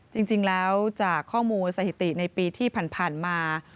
จริงแล้วจากข้อมูลสถิติในปีที่ผ่านมา